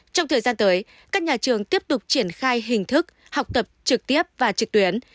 trong thời gian tới các nhà trường tiếp tục triển khai hình thức học tập trực tiếp và trực tuyến